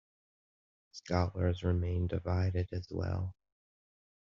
Scholars remain divided as well.